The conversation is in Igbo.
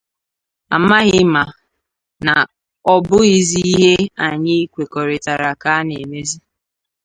amaghị ma na ọ bụghịzị ihe anyị kwekọrịtara ka a na-emezị